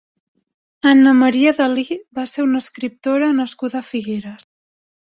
Anna Maria Dalí va ser una escriptora nascuda a Figueres.